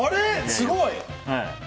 すごい！